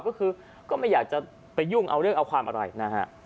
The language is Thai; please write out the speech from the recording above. ก็คือก็ไม่อยากจะไปยุ่งเอาเรื่องเอาความอะไรนะฮะ